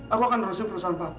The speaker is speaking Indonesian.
aku akan merusak perusahaan papa